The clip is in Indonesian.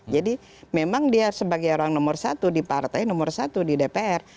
jadi memang dia sebagai orang nomor satu di partai nomor satu di dpr